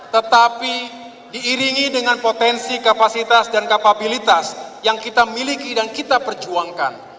tetapi diiringi dengan potensi kapasitas dan kapabilitas yang kita miliki dan kita perjuangkan